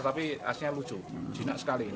tapi aslinya lucu jinak sekali